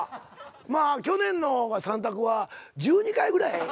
まあ去年の『さんタク』は１２回ぐらい。